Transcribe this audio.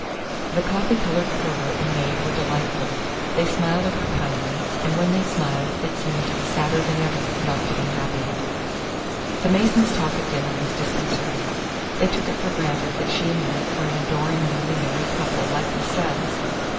The coffee coloured porter and maid were delightful. They smiled at her kindly, and when they smiled it seemed sadder than ever not to be happy. The Masons' talk at dinner was disconcerting. They took it for granted that she and Knight were an adoring newly married couple, like themselves.